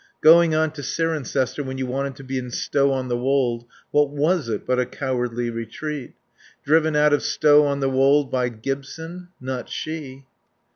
Going on to Cirencester when you wanted to be in Stow on the Wold, what was it but a cowardly retreat? Driven out of Stow on the Wold by Gibson? Not she!